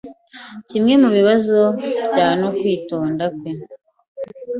Kimwe mubibazo bya nukwitonda kwe.